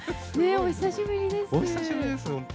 お久しぶりです、本当。